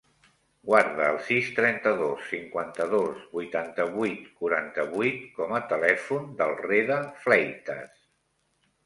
Guarda el sis, trenta-dos, cinquanta-dos, vuitanta-vuit, quaranta-vuit com a telèfon del Reda Fleitas.